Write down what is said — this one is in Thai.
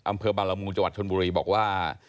อำเภอบรรลมูกจชลบุรีบอกว่า